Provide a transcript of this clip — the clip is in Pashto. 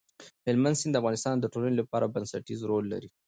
هلمند سیند د افغانستان د ټولنې لپاره بنسټيز رول لري.